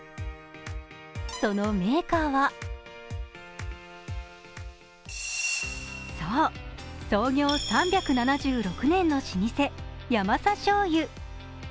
そのメーカーはそう、創業３７６年の老舗ヤマサ醤油。